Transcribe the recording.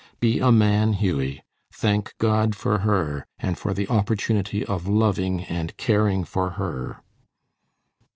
Be a man, Hughie. Thank God for her, and for the opportunity of loving and caring for her."